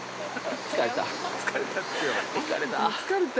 ◆疲れた。